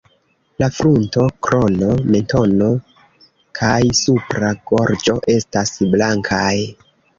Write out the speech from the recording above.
La frunto, krono, mentono kaj supra gorĝo estas blankaj.